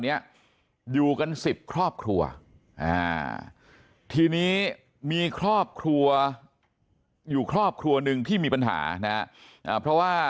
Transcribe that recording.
เนี่ยอยู่กัน๑๐ครอบครัวทีนี้มีครอบครัวอยู่ครอบครัวหนึ่งที่มีปัญหานะเพราะว่า